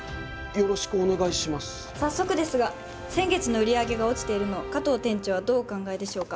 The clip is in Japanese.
早速ですが先月の売り上げが落ちているの加藤店長はどうお考えでしょうか？